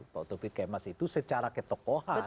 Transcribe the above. pak taufik kemas itu secara ketokohan